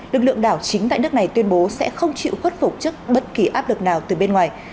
lực lượng đảo chính tại nước này tuyên bố sẽ không chịu khuất phục trước bất kỳ áp lực nào từ bên ngoài